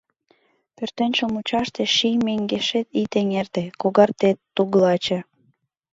Пӧртӧнчыл мучаште ший меҥгешет Ит эҥерте — когаргет, туглаче.